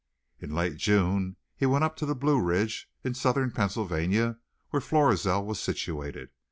In late June he went up to the Blue Ridge, in Southern Pennsylvania, where Florizel was situated.